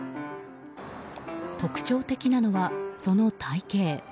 特徴的なのは、その体形。